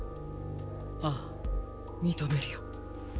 あぁ認めるよ。